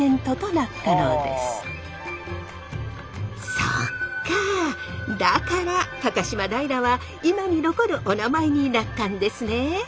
そっかだから高島平は今に残るおなまえになったんですね。